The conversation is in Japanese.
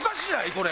これ。